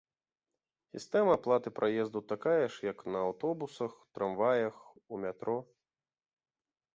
Сістэма аплаты праезду такая ж, як на аўтобусах, трамваях, у метро.